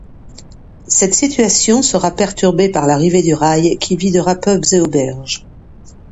Cette situation sera perturbée par l'arrivée du rail au qui videra pubs et auberges.